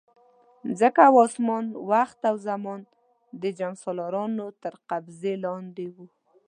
مځکه او اسمان، وخت او زمان د جنګسالارانو تر قبضې لاندې وو.